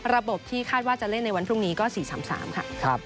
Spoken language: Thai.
ระบบที่คาดว่าจะเล่นในวันพรุ่งนี้ก็๔๓๓ค่ะ